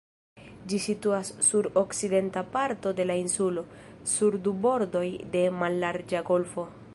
Ĝi situas sur okcidenta parto de la insulo, sur du bordoj de mallarĝa golfo.